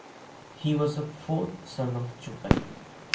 He was the fourth son of Chupan.